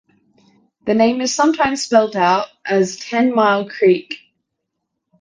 The name is sometimes spelled out as "Ten Mile Creek".